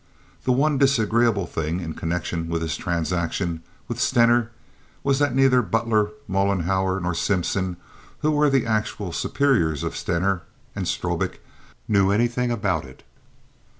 The one disagreeable thing in connection with this transaction with Stener was that neither Butler, Mollenhauer nor Simpson, who were the actual superiors of Stener and Strobik, knew anything about it.